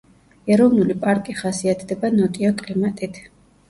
ეროვნული პარკი ხასიათდება ნოტიო კლიმატით.